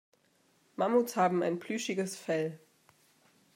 Mammuts haben ein plüschiges Fell.